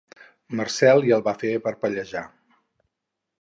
Marcel i el va fer parpellejar.